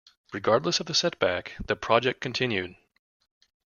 Regardless of the setback, the project continued.